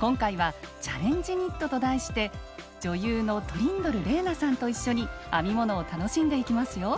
今回はチャレンジニットと題して女優のトリンドル玲奈さんと一緒に編み物を楽しんでいきますよ。